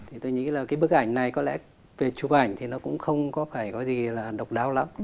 thì tôi nghĩ là cái bức ảnh này có lẽ về chụp ảnh thì nó cũng không có phải có gì là độc đáo lắm